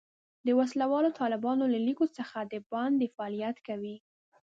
د وسله والو طالبانو له لیکو څخه د باندې فعالیت کوي.